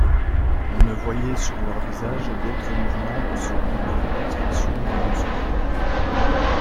On ne voyait sur leurs visages d'autre mouvement que celui de la contraction des muscles.